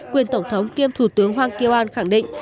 quyền tổng thống kiêm thủ tướng hoàng kiều an khẳng định